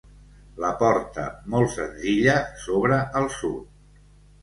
La porta, molt senzilla, s'obre al sud.